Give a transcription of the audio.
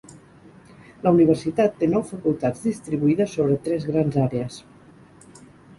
La universitat té nou facultats distribuïdes sobre tres grans àrees.